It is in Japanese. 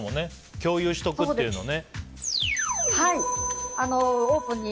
共有しておくっていうのはね。